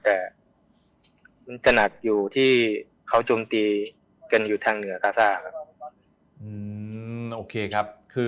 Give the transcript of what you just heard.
แต่จนจะนัดอยู่ทีเก็นหยุดทางเหนือกาซ่าครับ